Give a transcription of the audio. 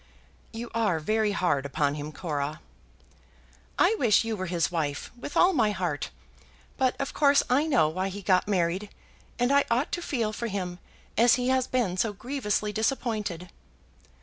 "You are very hard upon him, Cora." "I wish you were his wife, with all my heart. But, of course, I know why he got married. And I ought to feel for him as he has been so grievously disappointed."